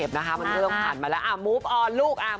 ตามนั้นแหละคุณผู้ชม